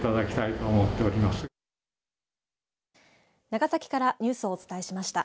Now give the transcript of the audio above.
長崎からニュースをお伝えしました。